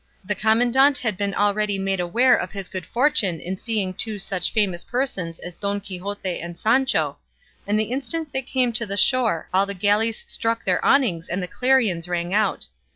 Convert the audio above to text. The commandant had been already made aware of his good fortune in seeing two such famous persons as Don Quixote and Sancho, and the instant they came to the shore all the galleys struck their awnings and the clarions rang out.